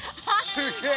すげえ。